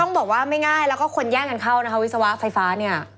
ต้องบอกว่าไม่ง่ายแล้วก็คนแย่งกันเข้านะคะวิศวะไฟฟ้าเนี่ย